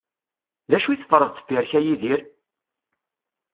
D acu i teffreḍ deffir-k, a Yidir?